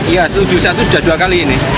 iya tujuh puluh satu sudah dua kali ini